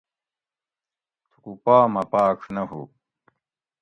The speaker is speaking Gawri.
تھُکو پا مہ پاۤڄ نہ ہُو